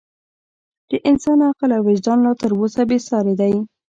د انسان عقل او وجدان لا تر اوسه بې ساري دی.